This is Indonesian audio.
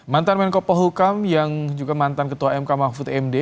mantan menko pohukam yang juga mantan ketua mk mahfud md